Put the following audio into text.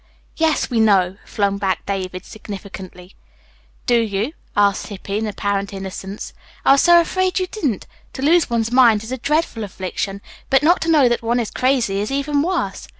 "Yes, we know," flung back David significantly. "Do you?" asked Hippy in apparent innocence. "I was so afraid you didn't. To lose one's mind is a dreadful affliction, but not to know that one is crazy is even worse.